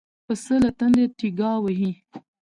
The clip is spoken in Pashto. پسه له تندې تيګا وهي.